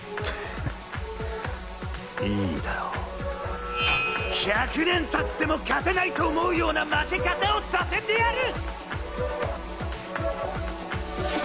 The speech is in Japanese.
いいだろう１００年たっても勝てないと思うような負け方をさせてやる。